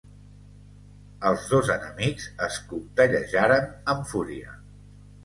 Els dos enemics es coltellejaren amb fúria.